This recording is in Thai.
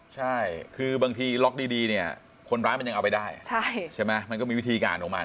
ใช่บางทีล็อกดีคนร้ายมันยังเอาไปได้ก็มีวิธีการของมัน